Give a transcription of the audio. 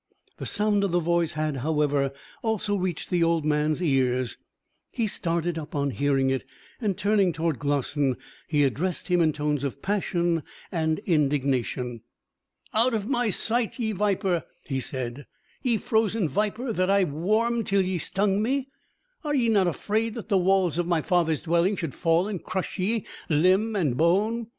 The sound of the voice had, however, also reached the old man's ears. He started up on hearing it, and turning towards Glossin, he addressed him in tones of passion and indignation. "Out of my sight, ye viper," he said; "ye frozen viper that I warmed till ye stung me! Are ye not afraid that the walls of my father's dwelling should fall and crush ye, limb and bone?